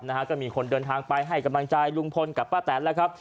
นะฮะก็มีคนเดินทางไปให้กำลังใจลุงพลกับป้าแตนแล้วครับ